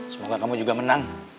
semoga kamu juga menang